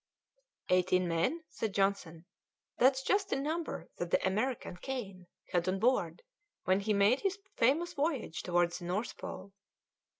"Eighteen men?" said Johnson. "That's just the number that the American, Kane, had on board when he made his famous voyage towards the North Pole."